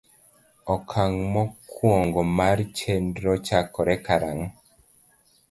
Okang' mokwongo mar chenrono chakore karang'o?